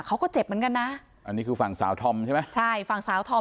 เขาก็เจ็บเหมือนกันนะอันนี้คือฝั่งสาวธอมใช่ไหมใช่ฝั่งสาวธอม